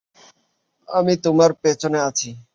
আমি তোমার পেছনে আছি!